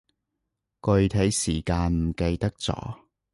具體時間唔記得咗